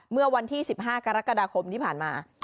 เมื่อวันที่๑๕กรกฎาคมที่ผ่านมา